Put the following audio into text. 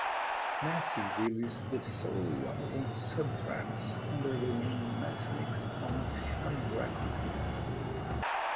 Massey released the solo album "Subtracks" under the name Massonix on Skam Records.